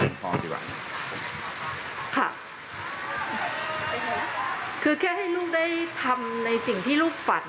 ค่ะคือแค่ให้ลูกได้ทำในสิ่งที่ลูกฝัน